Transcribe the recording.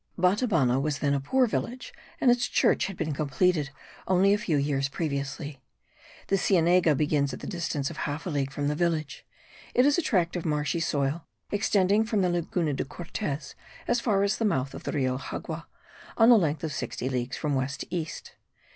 Batabano was then a poor village and its church had been completed only a few years previously. The Sienega begins at the distance of half a league from the village; it is a tract of marshy soil, extending from the Laguna de Cortez as far as the mouth of the Rio Xagua, on a length of sixty leagues from west to east.